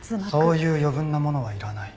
そういう余分なものはいらない。